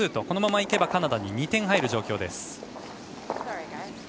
このままいけばカナダに２点入る状況です。